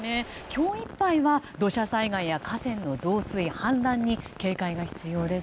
今日いっぱいは土砂災害や河川の増水氾濫に警戒が必要です。